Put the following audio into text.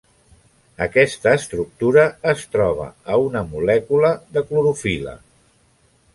Aquesta estructura es troba a una molècula de clorofil·la.